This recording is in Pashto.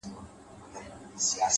پرمختګ له دوامداره تمرکز تغذیه کېږي,